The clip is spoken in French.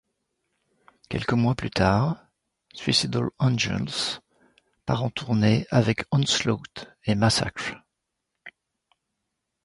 Quelques mois plus tard, Suicidal Angels part en tournée avec Onslaught et Massacre.